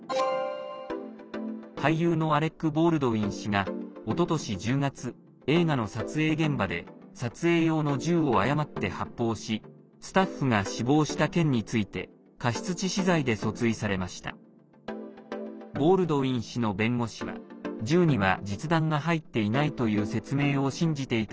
俳優のアレック・ボールドウィン氏がおととし１０月映画の撮影現場で撮影用の銃を誤って発砲しスタッフが死亡した件について過失致死罪で訴追されました。